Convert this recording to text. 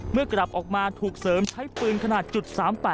กลับออกมาถูกเสริมใช้ปืนขนาด๓๘